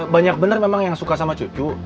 banyak benar memang yang suka sama cucu